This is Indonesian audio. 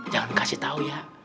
jangan kasih tau ya